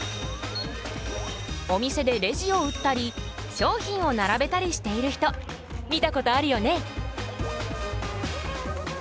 お店でレジを打ったり商品を並べたりしている人見たことあるよね。